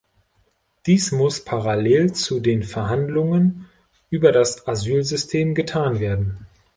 Dies muss parallel zu den Verhandlungen über das Asylsystem getan werden.